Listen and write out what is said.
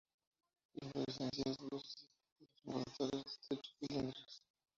Inflorescencias discoides, los involucros estrechos cilindros.